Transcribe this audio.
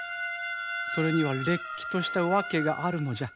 それにはれっきとした訳があるのじゃ。